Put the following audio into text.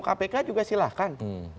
kalau mau kpk juga silahkan